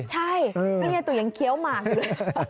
ใช่แล้วยายตุ๋ยังเคี้ยวหมากอยู่เลย